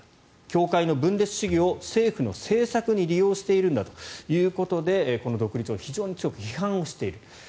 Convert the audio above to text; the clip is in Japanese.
教会の分裂主義を政府の政策に利用しているんだということでこの独立を非常に強く批判をしている。